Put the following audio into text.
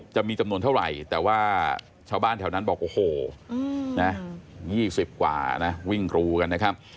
จะมีจำนวนเท่าไหร่แต่ว่าชาวบ้านแถวนั้นบอกโอ้โหนะ๒๐กว่านะวิ่งรูกันนะครับ